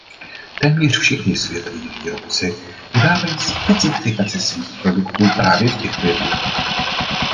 Téměř všichni světoví výrobci udávají specifikace svých produktů právě v těchto jednotkách.